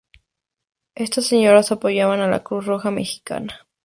Estas señoras apoyaban a la Cruz Roja Americana.